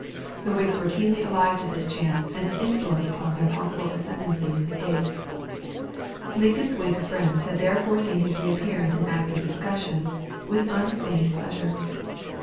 The Whigs were keenly alive to this chance and its influence upon their possible ascendency in the State. Lincoln's Whig friends had therefore seen his reappearance in active discussion with unfeigned pleasure.